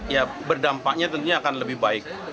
ya berdampaknya tentunya akan lebih baik